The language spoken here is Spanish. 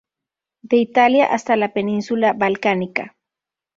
De Italia hasta la Península Balcánica.